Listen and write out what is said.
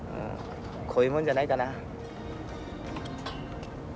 こういうもんじゃないかな。